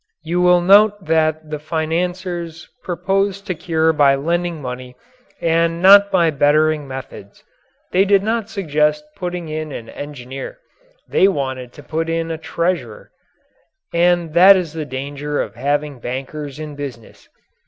You will note that the financiers proposed to cure by lending money and not by bettering methods. They did not suggest putting in an engineer; they wanted to put in a treasurer. And that is the danger of having bankers in business.